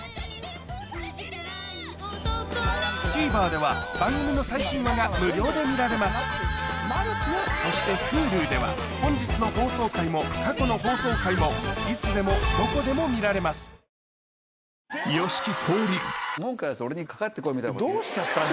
ＴＶｅｒでは番組の最新話が無料で見られますそしてＨｕｌｕでは本日の放送回も過去の放送回もいつでもどこでも見られます先生